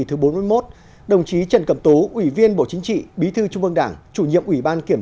thứ bốn mươi một đồng chí trần cẩm tú ủy viên bộ chính trị bí thư trung ương đảng chủ nhiệm ủy ban kiểm